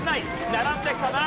並んできた！